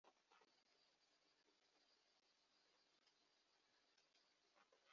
mu myenda ibungabungirwa mu bikoresho byabigenewe